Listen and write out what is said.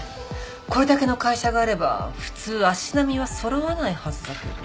これだけの会社があれば普通足並みは揃わないはずだけど。